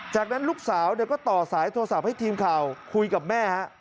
จากนั้นลูกสาวก็ต่อสายโทรศัพท์ให้ทีมข่าวคุยกับแม่ฮะ